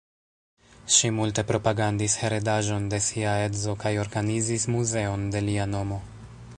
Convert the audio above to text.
Ŝi multe propagandis heredaĵon de sia edzo kaj organizis muzeon de lia nomo.